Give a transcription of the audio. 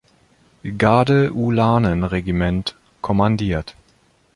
Garde-Ulanen-Regiment kommandiert.